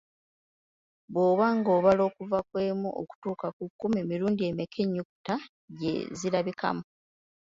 Bw'oba ng'obala okuva ku emu okutuuka ku kumi , mirundi emeka ennyukuta gye zirabikamu?